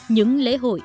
những lễ hội